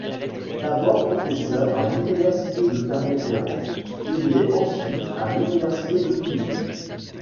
D’abord Professeur à l’Université de Clermont-Ferrand, il l’est ensuite à l’Université de Toulouse.